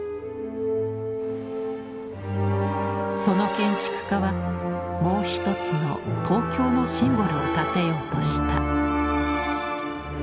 その建築家はもう一つの東京のシンボルを建てようとした。